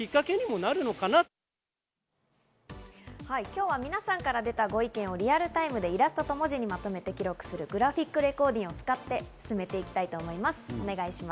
今日は皆さんから出たご意見をリアルタイムでイラストと文字にまとめて記録するグラフィックレコーディングを使って進めていきたいと思います。